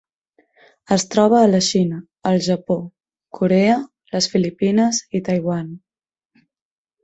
Es troba a la Xina, el Japó, Corea, les Filipines i Taiwan.